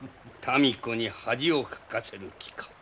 民子に恥をかかせる気か？